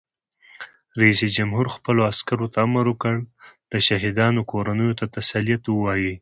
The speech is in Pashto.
رئیس جمهور خپلو عسکرو ته امر وکړ؛ د شهیدانو کورنیو ته تسلیت ووایئ!